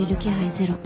ゼロ